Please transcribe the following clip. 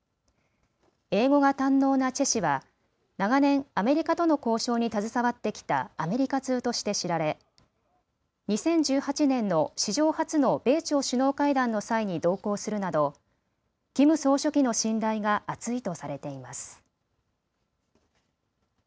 英語が堪能なチェ氏は長年、アメリカとの交渉に携わってきたアメリカ通として知られ２０１８年の史上初の米朝首脳会談の際に同行するなどキム総書記の信頼が厚いとされています。